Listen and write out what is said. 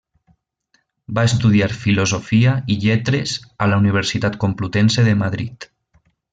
Va estudiar Filosofia i Lletres a la Universitat Complutense de Madrid.